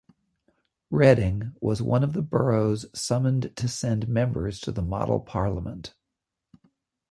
Reading was one of the boroughs summoned to send members to the Model Parliament.